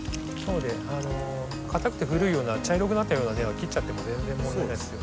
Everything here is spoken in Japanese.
かたくて古いような茶色くなったような根は切っちゃっても全然問題ないですよ。